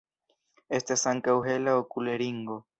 Estas ankaŭ hela okulringo.